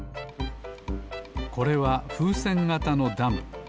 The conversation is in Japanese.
これはふうせんがたのダム。